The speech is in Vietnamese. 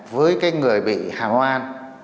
với cái người bị hạ hoan